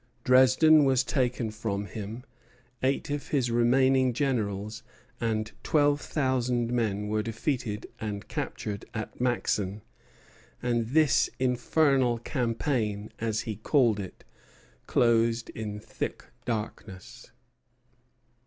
Dresden was taken from him, eight of his remaining generals and twelve thousand men were defeated and captured at Maxen, and "this infernal campaign," as he calls it, closed in thick darkness.